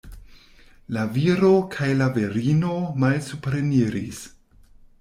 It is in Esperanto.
La viro kaj la virino malsupreniris.